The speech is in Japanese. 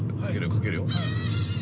かけるよ。